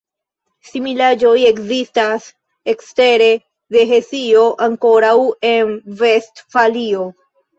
Similaĵoj ekzistas ekstere de Hesio ankoraŭ en Vestfalio.